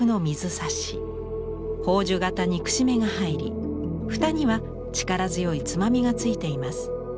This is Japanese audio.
宝珠形にくし目が入り蓋には力強いつまみが付いています。